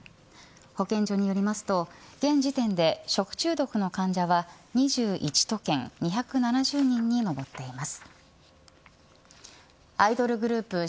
保健所によりますと現時点で食中毒の患者は２１都県２７０人に上っています。